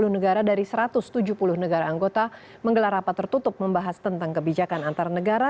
sepuluh negara dari satu ratus tujuh puluh negara anggota menggelar rapat tertutup membahas tentang kebijakan antar negara